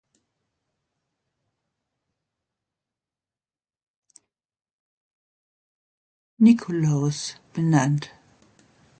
Nikolaus, benannt.